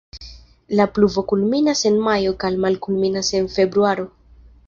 La pluvo kulminas en majo kaj malkulminas en februaro.